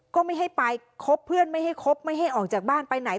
ก็ไม่ให้ไปคบเพื่อนไม่ให้คบไม่ให้ออกจากบ้านไปไหน